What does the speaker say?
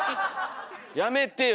やめてよ。